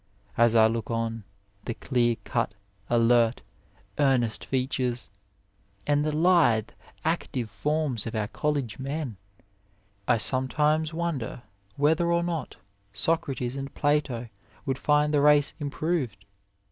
As I look on the clear cut, alert, earnest features, and the lithe, active 36 OF LIFE forms of our college men, I sometimes wonder whether or not Socrates and Plato would find the race improved.